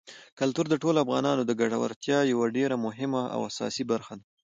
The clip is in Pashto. کلتور د ټولو افغانانو د ګټورتیا یوه ډېره مهمه او اساسي برخه ده.